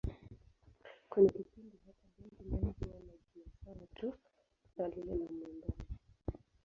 Kuna kipindi hata bendi nayo huwa na jina sawa tu na lile la mwimbaji.